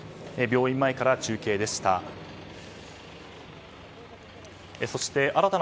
病院前から中継でした。